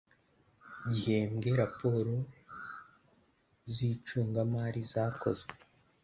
gihembwe raporo z cungamari zakozwe